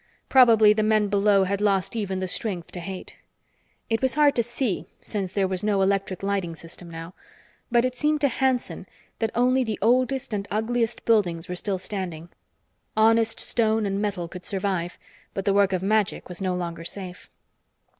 Probably the men below had lost even the strength to hate. It was hard to see, since there was no electric lighting system now. But it seemed to Hanson that only the oldest and ugliest buildings were still standing. Honest stone and metal could survive, but the work of magic was no longer safe.